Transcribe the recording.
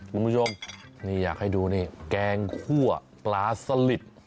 คุณผู้ชมนี่อยากให้ดูนี่แกงคั่วปลาสลิด